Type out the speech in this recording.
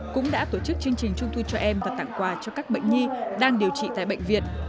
cũng đã tổ chức chương trình trung thu cho em và tặng quà cho các bệnh nhi đang điều trị tại bệnh viện